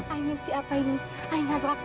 aduh dia pake tawa